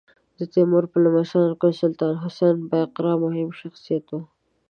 د تیمور په لمسیانو کې سلطان حسین بایقرا مهم شخصیت و.